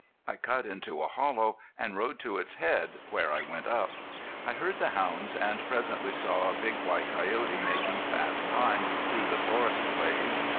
I cut into a hollow and rode to its head, where I went up. I heard the hounds and presently saw a big, white coyote making fast time through the forest glades.